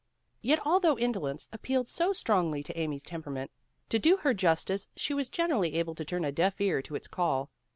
Yet although indolence appealed so strongly to Amy's temperament, to do her justice she was generally able to turn a deaf ear to its call.